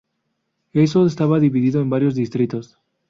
Ezo estaba dividido en varios distritos.